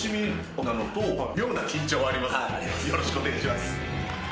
よろしくお願いします。